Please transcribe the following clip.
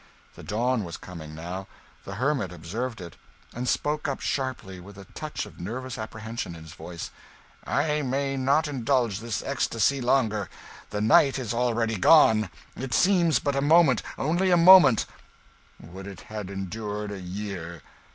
The dawn was coming now; the hermit observed it, and spoke up sharply, with a touch of nervous apprehension in his voice "I may not indulge this ecstasy longer! The night is already gone. It seems but a moment only a moment; would it had endured a year!